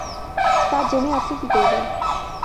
তা জেনে আপনি কী করবেন?